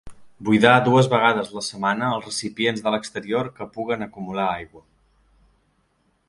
Buidar dues vegades la setmana els recipients de l’exterior que puguen acumular aigua.